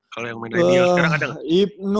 kalau yang main radio